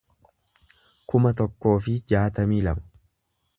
kuma tokkoo fi jaatamii lama